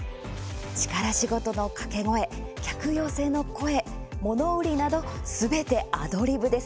力仕事の掛け声、客寄せの声物売りなど、すべてアドリブ。